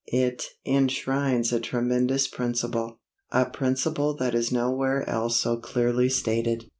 It enshrines a tremendous principle, a principle that is nowhere else so clearly stated.